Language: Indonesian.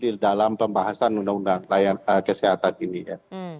di dalam pembahasan undang undang kesehatan ini ya